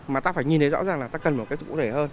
mà ta phải nhìn thấy rõ ràng là ta cần một cái sự cụ thể hơn